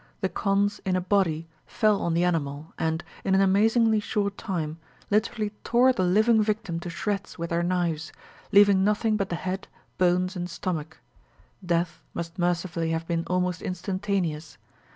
The Khonds in a body fell on the animal, and, in an amazingly short time, literally tore the living victim to shreds with their knives, leaving nothing but the head, bones, and stomach. Death must mercifully have been almost instantaneous.